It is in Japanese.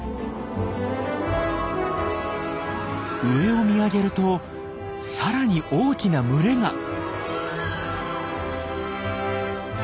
上を見上げるとさらに大きな群れが！